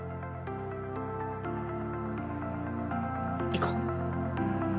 行こう。